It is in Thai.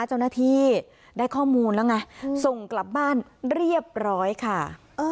เจ้าหน้าที่ได้ข้อมูลแล้วไงส่งกลับบ้านเรียบร้อยค่ะ